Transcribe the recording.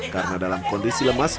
karena dalam kondisi lemas